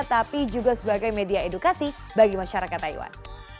tapi juga sebagai media edukasi bagi masyarakat taiwan